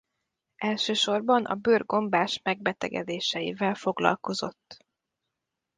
Elsősorban a bőr gombás megbetegedéseivel foglalkozott.